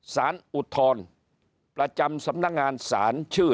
อุทธรณ์ประจำสำนักงานศาลชื่อ